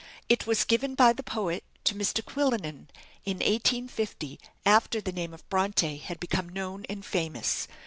It was given by the poet to Mr. Quillinan in 1850, after the name of Bronte had become known and famous.